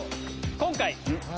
今回。